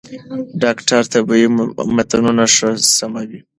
ډاکټر طبي متنونه ښه سموي.